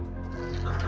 dasar puyul madu